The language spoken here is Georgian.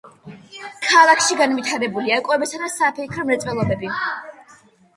ქალაქში განვითარებულია კვებისა და საფეიქრო მრეწველობები.